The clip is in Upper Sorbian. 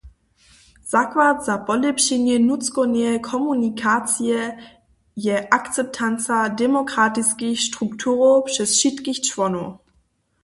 Zakład za polěpšenje nutřkowneje komunikacije je akceptanca demokratiskich strukturow přez wšitkich čłonow.